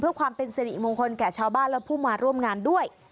เพื่อความเป็นสิริมงคลแก่ชาวบ้านและผู้มาร่วมงานด้วย